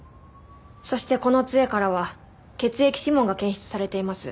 そしてこの杖からは血液指紋が検出されています。